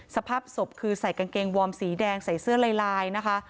สภาพศพคือใส่กางเกงวอร์มสีแดงใส่เสื้อลายนะคะ